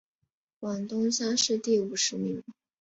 广东乡试第五十名。